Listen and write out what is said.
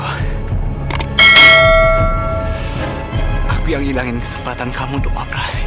aku yang ngilangin kesempatan kamu untuk operasi